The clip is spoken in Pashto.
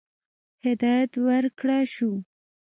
هدایت ورکړه شو.